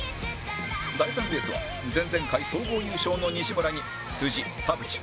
第３レースは前々回総合優勝の西村に田渕狩野